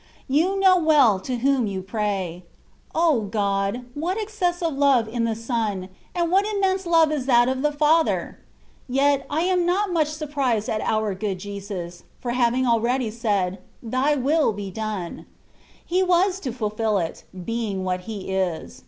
You know well to whom you pray. O God ! what excessive love in the Son ! and what immense love is that of the Father ! Yet, I am not much sur prised at our good Jesus, for having already said, " Thy will be done !" He was to fulfil it, being what He is.